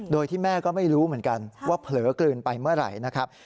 โดยที่แม่ก็ไม่รู้เหมือนกันว่าเผลอกลืนไปเมื่อไหร่นะครับ